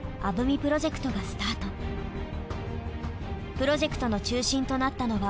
プロジェクトの中心となったのが。